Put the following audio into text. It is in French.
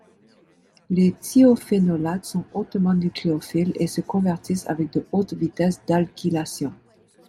Les thiophénolates sont hautement nucléophiles et se convertissent avec de hautes vitesses d'alkylation.